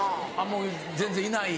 もう全然いない？